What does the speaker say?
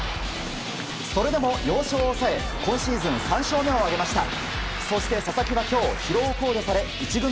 それでも要所を抑え今シーズン３勝目を挙げました。